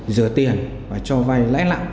rửa tiền và cho vai lãnh lãng